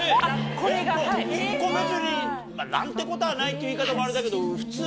これ別に何てことはないっていう言い方もあれだけど。